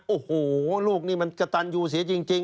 โอ้โหลูกนี่มันกระตันยูเสียจริง